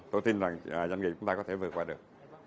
tôi tin rằng doanh nghiệp chúng ta có thể vượt qua được